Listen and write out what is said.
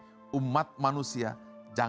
yang diajarkan kepada manusia akan hilang